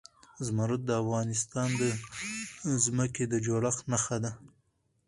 زمرد د افغانستان د ځمکې د جوړښت نښه ده.